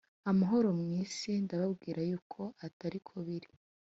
Amahoro mu isi ndababwira yuko atari ko biri